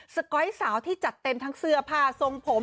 ก๊อยสาวที่จัดเต็มทั้งเสื้อผ้าทรงผม